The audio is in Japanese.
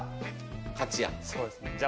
そうですね。